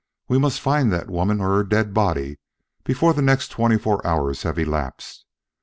We must find that woman or her dead body before the next twenty four hours have elapsed.